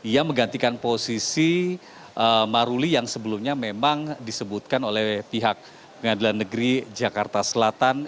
ia menggantikan posisi maruli yang sebelumnya memang disebutkan oleh pihak pengadilan negeri jakarta selatan